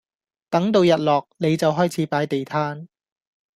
等到日落你就開始擺地攤